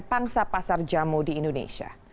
pangsa pasar jamu di indonesia